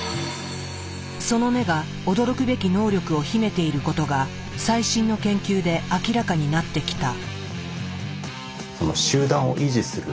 その目が驚くべき能力を秘めていることが最新の研究で明らかになってきた。